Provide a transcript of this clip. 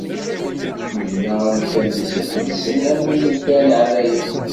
Ibna amkan-is iqedsen am yimukan ɛlayen.